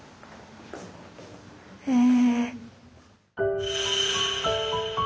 へえ。